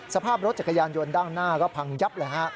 สภาพรถจักรยานยนต์ด้านหน้าก็พังยับเลยฮะ